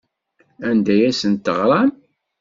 Anda ay asen-teɣram?